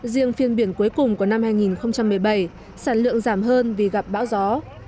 riêng phiên biển cuối cùng của năm hai nghìn một mươi bảy sản lượng giảm hơn vì gặp bão gió